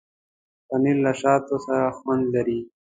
پنېر له شاتو سره خوند لري.